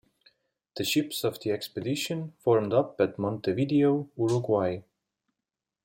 The ships of the expedition formed up at Montevideo, Uruguay.